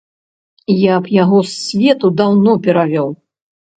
Я б яго з свету даўно перавёў.